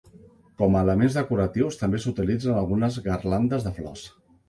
Com a elements decoratius també s'utilitzen algunes garlandes de flors.